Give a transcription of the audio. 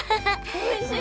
おいしい！